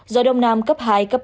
gió đông nam cấp hai cấp ba